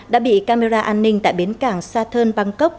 đã bị camera an ninh tại bến cảng saturn bangkok